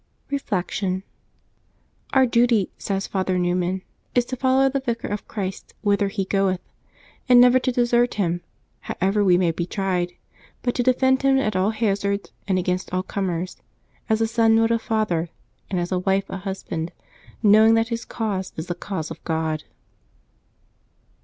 Reflection. —'^ Our duty,^' says Father Newman, " is to follow the Vicar of Christ whither he goeth, and never to desert him, however we may be tried; but to defend him at all hazards and against all comers, as a son would a father, and. as a wife a husband, knowing that his cause is the cause of God."